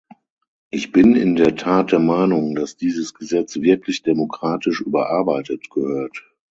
Ich bin in der Tat der Meinung, dass dieses Gesetz wirklich demokratisch überarbeitet gehört.